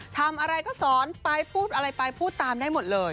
ทำอะไรก็สอนไปพูดอะไรไปพูดตามได้หมดเลย